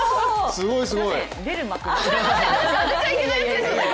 すごいすごい。